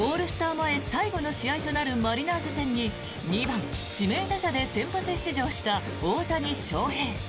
前最後の試合となるマリナーズ戦に２番指名打者で先発出場した大谷翔平。